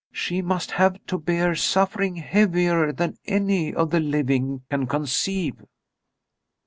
"She must have to bear suffering heavier than any of the living can conceive."